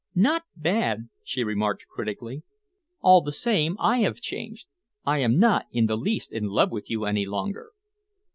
"Not bad," she remarked critically. "All the same, I have changed. I am not in the least in love with you any longer."